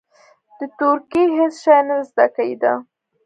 د تورکي هېڅ شى نه زده کېده.